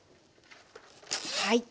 はい。